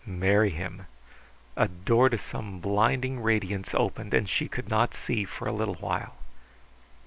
Marry him! A door to some blinding radiance opened, and she could not see for a little while.